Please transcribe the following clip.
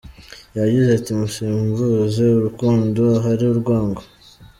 Yagize ati “Musimbuze urukundo ahari urwango.